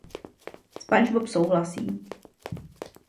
Spongebob souhlasí.